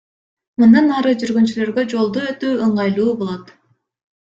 Мындан ары жүргүнчүлөргө жолду өтүү ыңгайлуу болот.